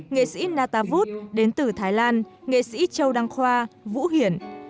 nghệ sĩ nata wood đến từ thái lan nghệ sĩ châu đăng khoa vũ hiển